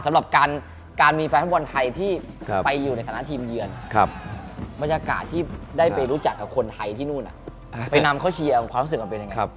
สำหรับการมีแฟนฟุตบอลไทยที่ไปอยู่ในฐานะทีมเยือนบรรยากาศที่ได้ไปรู้จักกับคนไทยที่นู่นไปนำเข้าเชียร์ความรู้สึกมันเป็นยังไง